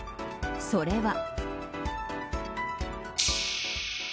それは。